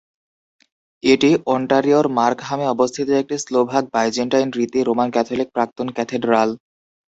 এটি অন্টারিওর মার্কহামে অবস্থিত একটি স্লোভাক বাইজেন্টাইন রীতি রোমান ক্যাথলিক প্রাক্তন ক্যাথেড্রাল।